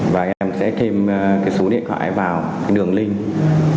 và em sẽ thêm cái số điện thoại vào đường link